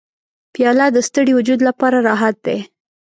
پیاله د ستړي وجود لپاره راحت دی.